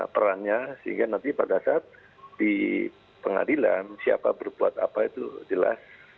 perannya sehingga nanti pada saat di pengadilan siapa berbuat apa itu jelas